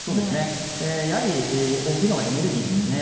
大きいのがエネルギーですね。